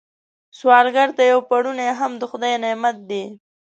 سوالګر ته یو پړونی هم د خدای نعمت دی